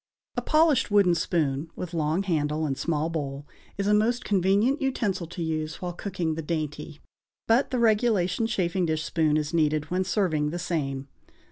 A polished wooden spoon, with long handle and small bowl, is a most convenient utensil to use while cooking the dainty; but the regulation chafing dish spoon is needed when serving the same.